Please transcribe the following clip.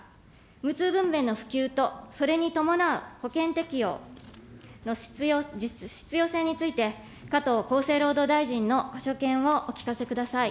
無痛分娩の普及とそれに伴う保険適用の必要性について、加藤厚生労働大臣のご所見をお聞かせください。